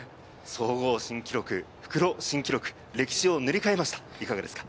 総合新記録、復路新記録、歴史を塗り替えました。